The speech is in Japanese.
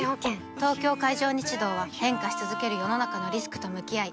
東京海上日動は変化し続ける世の中のリスクと向き合い